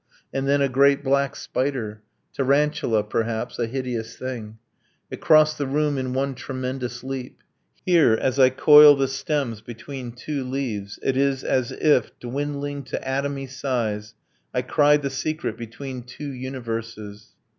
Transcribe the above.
And then a great black spider, Tarantula, perhaps, a hideous thing, It crossed the room in one tremendous leap. Here, as I coil the stems between two leaves, It is as if, dwindling to atomy size, I cried the secret between two universes